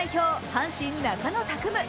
阪神・中野拓夢。